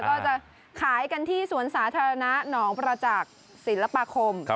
ก็จะขายกันที่สวนสาธารณะหนองประจักษ์ศิลปาคม